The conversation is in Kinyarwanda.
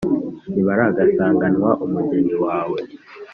ntibaragasanganwa umugeni wawe.